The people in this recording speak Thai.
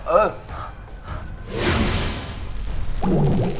เออ